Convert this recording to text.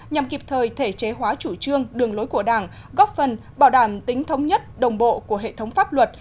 nhằm kịp thời thể chế hóa chủ trương đường lối của đảng góp phần bảo đảm tính thống nhất đồng bộ của hệ thống pháp luật